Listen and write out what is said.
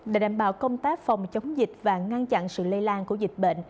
để đảm bảo công tác phòng chống dịch và ngăn chặn sự lây lan của dịch bệnh